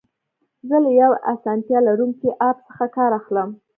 زه له یو اسانتیا لرونکي اپ څخه کار اخلم.